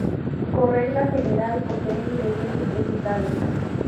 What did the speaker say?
Por regla general posee ingredientes vegetales.